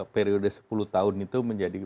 periode sepuluh tahun itu menjadi